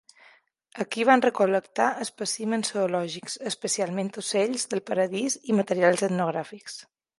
Aquí van recol·lectar espècimens zoològics, especialment ocells del paradís i materials etnogràfics.